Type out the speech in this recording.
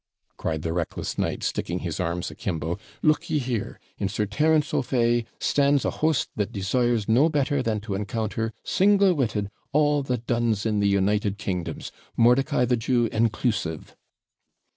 cried the reckless knight, sticking his arms akimbo 'look ye here! in Sir Terence O'Fay stands a host that desires no better than to encounter, single witted, all the duns in the united kingdoms, Mordicai the Jew inclusive.'